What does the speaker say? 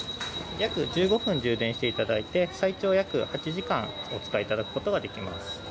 約１５分充電していただいて、最長約８時間お使いいただくことができます。